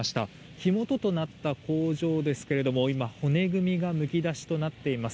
火元となった工場ですけれども今、骨組みがむき出しとなっています。